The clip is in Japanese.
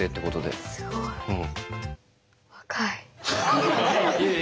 すごい。